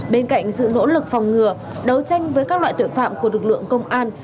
bên cạnh sự nỗ lực phòng ngừa đấu tranh với các loại tội phạm của lực lượng công an